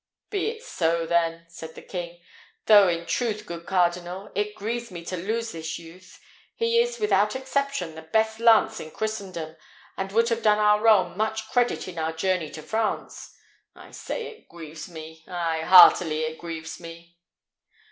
"Be it so, then," said the king; "though in truth, good cardinal, it grieves me to lose this youth. He is, without exception, the best lance in Christendom, and would have done our realm much credit in our journey to France: I say it grieves me! Ay, heartily it grieves me!"